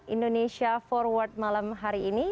indonesia forward malam hari ini